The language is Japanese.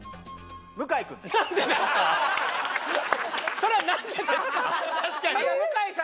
それは何でですか？